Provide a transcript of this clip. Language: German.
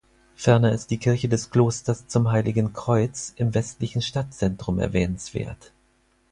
Ferner ist die Kirche des Klosters zum Heiligen Kreuz im westlichen Stadtzentrum erwähnenswert.